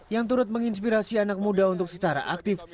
yang turut menginspirasi anak muda untuk secara aktif